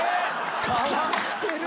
変わってる！